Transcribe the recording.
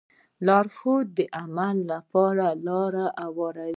لارښود د عمل لپاره لاره هواروي.